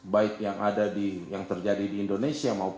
tapi saya ingin mengingat piece heran reduzion ini adalah